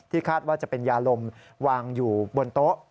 คาดว่าจะเป็นยาลมวางอยู่บนโต๊ะ